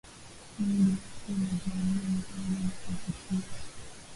Mimi binafsi naliona ni kabila la kuvutia